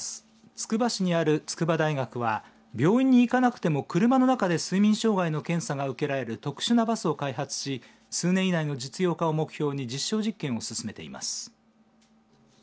つくば市にある筑波大学は病院に行かなくても車の中で睡眠障害の検査が受けられる特殊なバスを開発し数年以内の実用化を目標に実証実験を進めています。